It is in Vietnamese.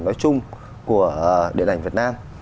nói chung của điện ảnh việt nam